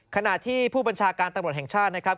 ขณะที่ผู้บัญชาการตำรวจแห่งชาตินะครับ